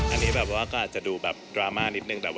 อันนี้ก็อาจจะดูดราม่านิดนึง